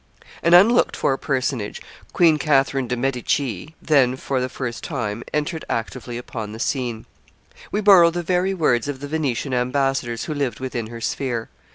An unlooked for personage, Queen Catherine de' Medici, then for the first time entered actively upon the scene. We borrow the very words of the Venetian ambassadors who lived within her sphere.